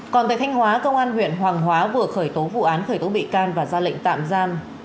còn tại thanh hóa công an huyện hoàng hóa vừa khởi tố vụ án khởi tố bị can và ra lệnh tạm giam